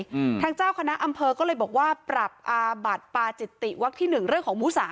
อืมทางเจ้าคณะอำเภอก็เลยบอกว่าปรับอาบัติปาจิตติวักที่หนึ่งเรื่องของหมูสาม